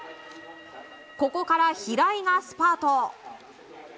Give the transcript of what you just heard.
ここから平井がスパート。